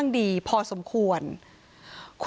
เป็นมีดปลายแหลมยาวประมาณ๑ฟุตนะฮะที่ใช้ก่อเหตุ